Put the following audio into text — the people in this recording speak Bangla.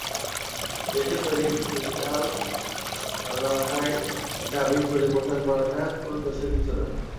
বিদেশে তৈরি সিরিয়াল বাংলা ভাষায় ডাবিং করে প্রচার করাটা কোনো দোষের কিছু নয়।